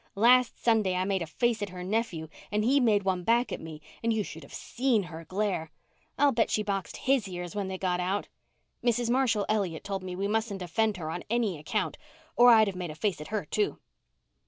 Last Sunday I made a face at her nephew and he made one back at me and you should have seen her glare. I'll bet she boxed his ears when they got out. Mrs. Marshall Elliott told me we mustn't offend her on any account or I'd have made a face at her, too!"